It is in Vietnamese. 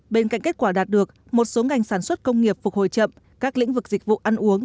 bên cạnh kết quả đạt được một số ngành sản xuất công nghiệp phục hồi chậm các lĩnh vực dịch vụ ăn uống